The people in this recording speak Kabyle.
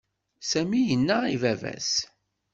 Sami yenna i baba-s.